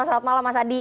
selamat malam mas adi